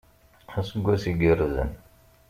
Aseggas iggerzen!